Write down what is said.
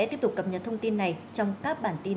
tiếp tục cập nhật thông tin này trong các bản tin